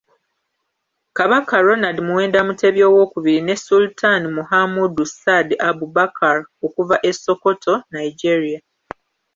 Kabaka Ronald Muwenda Mutebi II ne Sultan Muhammadu Saad Abubakar okuva e Sokoto, Nigeria.